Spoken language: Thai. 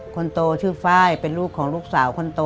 คนโตชื่อไฟล์เป็นลูกของลูกสาวคนโต